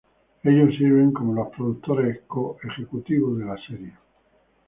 Ellos sirven como los productores co-ejecutivos de la serie.